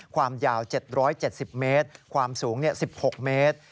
ความยาว๗๗๐เมตรความสูง๑๖เมตร